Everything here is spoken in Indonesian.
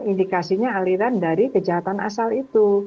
indikasinya aliran dari kejahatan asal itu